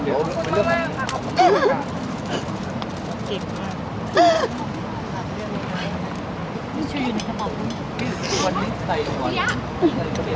เก็บมาก